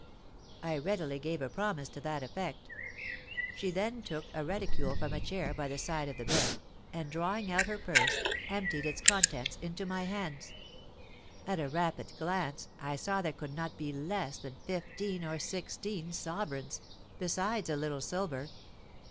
'—I readily gave a promise to that effect. She then took a reticule from a chair by the side of the bed, and drawing out her purse, emptied its contents into my hands. At a rapid glance I saw there could not be less than fifteen or sixteen sovereigns, besides a little silver.